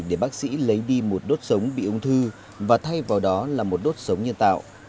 để bác sĩ lấy đi một đốt sống bị ung thư và thay vào đó là một đốt sống nhân tạo